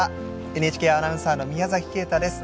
ＮＨＫアナウンサーの宮崎慶太です。